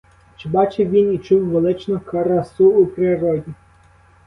Чи бачив він і чув величну красу у природі?